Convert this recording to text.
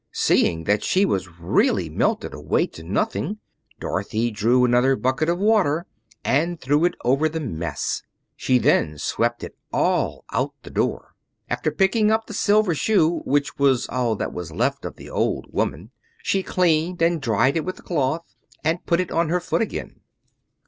Seeing that she had really melted away to nothing, Dorothy drew another bucket of water and threw it over the mess. She then swept it all out the door. After picking out the silver shoe, which was all that was left of the old woman, she cleaned and dried it with a cloth, and put it on her foot again.